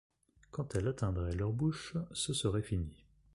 Quand elle atteindrait leur bouche, ce serait fini.